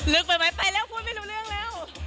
ลึกไปไหมไปแล้วพูดไม่รู้เรื่องแล้ว